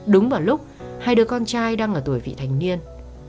đúng vào lúc hai đứa con trai đang ở tuổi vị thành niên